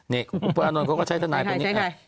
นี่คุณพจน์อานนงเขาก็ใช้ทนายคนนี้